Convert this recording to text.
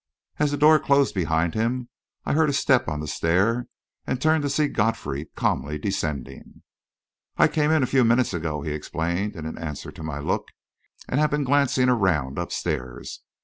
As the door closed behind him, I heard a step on the stair, and turned to see Godfrey calmly descending. "I came in a few minutes ago," he explained, in answer to my look, "and have been glancing around upstairs.